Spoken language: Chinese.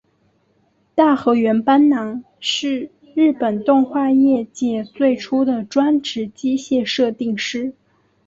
大河原邦男是日本动画业界最初的专职机械设定师。